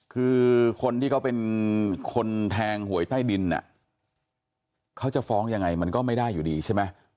คือคนที่เขาเป็นคนแทงหวยใต้ดินเขาจะฟ้องยังไงมันก็ไม่ได้อยู่ดีใช่ไหม